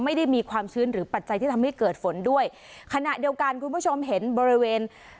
ไม่ได้มีความชื้นหรือปัจจัยที่ทำให้เกิดฝนด้วยขณะเดียวกันคุณผู้ชมเห็นบริเวณ